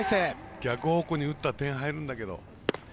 逆方向に打ったら点、入るんだけど。